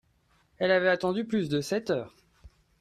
Elle avait attendu plus de sept heures.